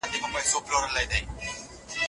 کوټه کې هیڅ نوی شی نه ښکارېده.